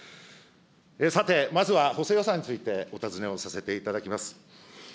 さて、まずは補正予算についてお尋ねをさせていただきます。